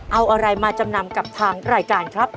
เอาอะไรมาจำนำกับทางรายการครับ